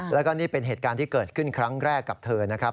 แล้วก็นี่เป็นเหตุการณ์ที่เกิดขึ้นครั้งแรกกับเธอนะครับ